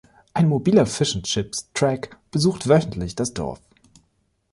Ein mobiler Fisch- und Chips-Track besucht wöchentlich das Dorf.